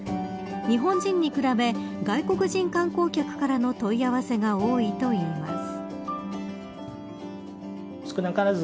日本人に比べ外国人観光客からの問い合わせが多いといいます。